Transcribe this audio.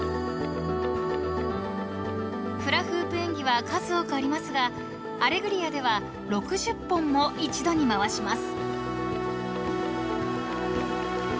［フラフープ演技は数多くありますが『アレグリア』では６０本も一度に回します］